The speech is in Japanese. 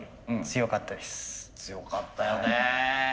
強かったよね。